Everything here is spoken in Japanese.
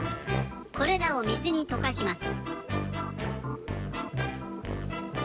これらをみずにとかします。